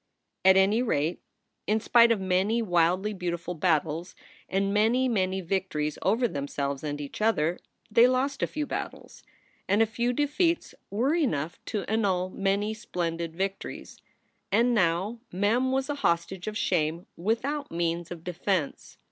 At any rate, in spite of many wildly beautiful battles, and many, many victories over themselves and each other, they lost a few battles. And a few defeats were enough to 16 SOULS FOR SALE annul many splendid victories. And now Mem was a hostage of shame without means of defense.